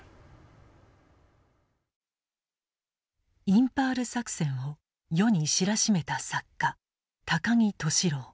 インパール作戦を世に知らしめた作家高木俊朗。